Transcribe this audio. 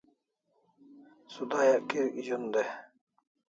Sudayak kirik zun dai